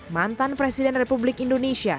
mantan presiden republik indonesia